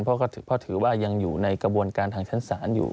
เพราะถือว่ายังอยู่ในกระบวนการทางชั้นศาลอยู่